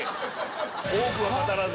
多くは語らず。